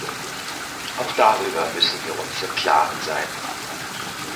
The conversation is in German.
Auch darüber müssen wir uns im klaren sein.